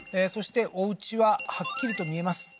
そしておうちははっきりと見えます